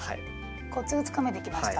コツがつかめてきました。